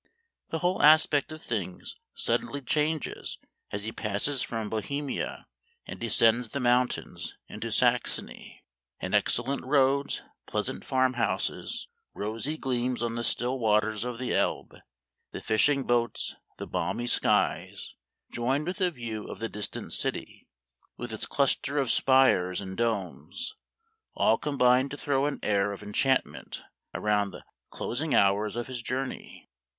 The whole aspect of things suddenly changes as he passes from Bohemia and de scends the mountains into Saxony, and excel 122 Memoir of Washington Irving. lent roads, pleasant farm houses, rosy gleams on the still waters of the Elbe, the fishing boats, the balmy skies, joined with a view of the distant city, with its cluster of spires and domes, all combine to throw an air of enchant ment around the closing hours of his journey.